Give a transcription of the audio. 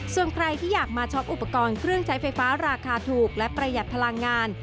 ส่วนใครที่อยากมาช็อปอุปกรณ์เครื่องใช้ไฟฟ้าราคาถูกและประหยัดพลังงาน